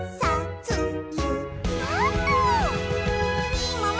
「みもも」